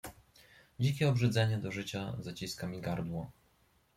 "Dzikie obrzydzenie do życia zaciska mi gardło."